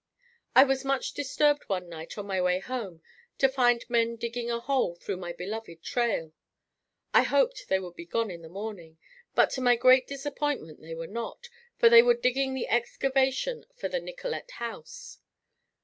I was much disturbed one night on my way home, to find men digging a hole through my beloved trail. I hoped they would be gone in the morning, but to my great disappointment they were not, for they were digging the excavation for the Nicollet House.